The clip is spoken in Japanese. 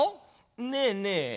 ねえねえ。